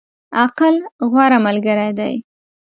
عقل، غوره ملګری دی.